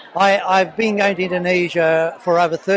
saya sudah berada di indonesia selama tiga puluh tahun